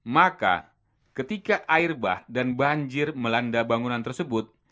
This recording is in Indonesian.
maka ketika air bah dan banjir melanda bangunan tersebut